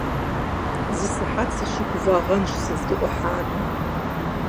Зы сыхьэт сыщыгувагъэнщ сыздыӀухьами.